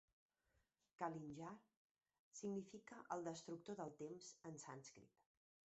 Kalinjar significa "el destructor del temps" en sànscrit.